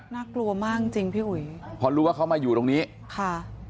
น่ากลัวมากจริงจริงพี่อุ๋ยพอรู้ว่าเขามาอยู่ตรงนี้ค่ะ